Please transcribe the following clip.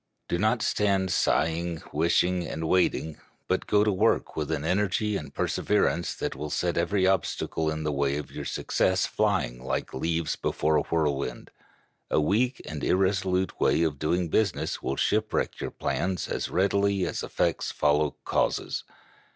Do not stand sighing, wishing, and waiting, but go to work with an energy and perseverance that will set every obstacle in the way of your success flying like leaves before a whirlwind. A weak and irresolute way of doing business will shipwreck your plans as readily as effects follow causes.